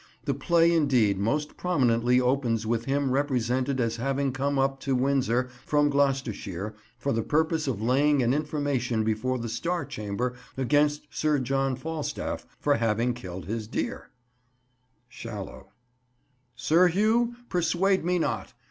The play indeed most prominently opens with him represented as having come up to Windsor from Gloucestershire for the purpose of laying an information before the Star Chamber against Sir John Falstaff for having killed his deer— Shallow. Sir Hugh, persuade me not.